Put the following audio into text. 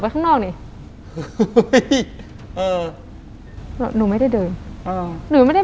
แม็คแล้วเมื่อกี้